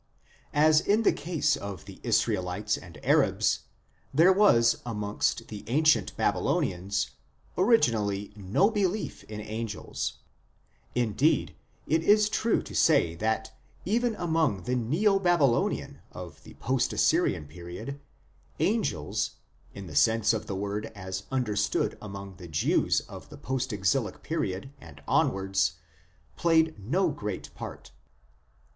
As in the case of the Israelites and Arabs, there was amongst the ancient Babylonians originally no belief in angels ; indeed, it is true to say that even among the Neo Babylon ANGELOLOGY OF THE OLD TESTAMENT 51 ians of the post Assyrian period angels, in the sense of the word as understood among the Jews of the post exilic period and onwards, played no great part.